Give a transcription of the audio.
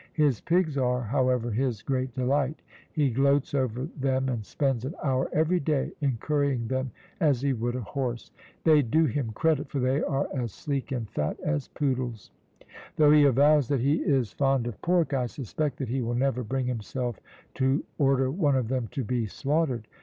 His pigs are, however, his great delight. He gloats over them, and spends an hour every day in currying them as he would a horse. They do him credit, for they are as sleek and fat as poodles. Though he avows that he is fond of pork, I suspect that he will never bring himself to order one of them to be slaughtered.